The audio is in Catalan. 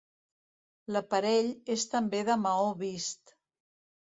L'aparell és també de maó vist.